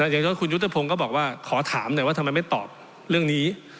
อย่างน้อยคุณยุทธพงศ์ก็บอกว่าขอถามหน่อยว่าทำไมไม่ตอบเรื่องนี้